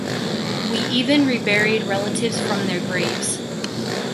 We even reburied relatives from their graves.